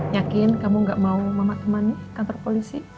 yakin kamu gak mau mama temani kantor polisi